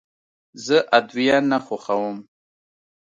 زه ادویه نه خوښوم.